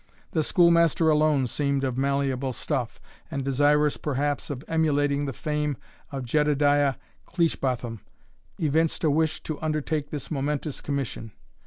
The schoolmaster alone seemed of malleable stuff; and, desirous perhaps of emulating the fame of Jedediah Cleishbotham, evinced a wish to undertake this momentous commission.